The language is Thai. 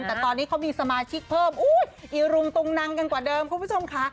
แต่ตอนนี้เขามีสมาชิกเพิ่มอุ้ยอีรุงตุงนังกันกว่าเดิมคุณผู้ชมค่ะ